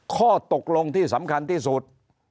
ข้อตกลงที่สำคัญที่สุด